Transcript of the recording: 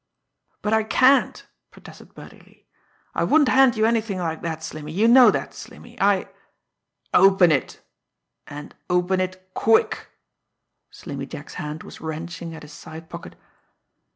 "But, I can't!" protested Birdie Lee. "I wouldn't hand you anything like that, Slimmy you know that, Slimmy. I " "Open it! And open it quick!" Slimmy Jack's hand was wrenching at his side pocket.